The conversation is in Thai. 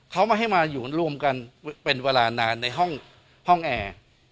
เขาไม่ให้มาอยู่รวมกันเป็นเวลานานในห้องแอร์